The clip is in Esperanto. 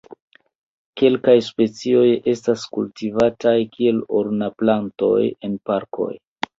Kelkaj specioj estas kultivataj kiel ornamplantoj en parkoj.